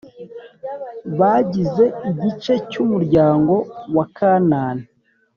bagize igice cy umuryango wa kanani